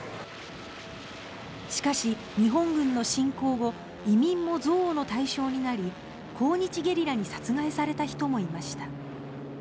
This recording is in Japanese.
しかし、日本軍の侵攻後移民も憎悪の対象となり抗日ゲリラに殺害された人もいました。